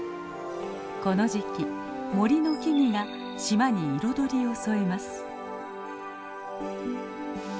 この時期森の木々が島に彩りを添えます。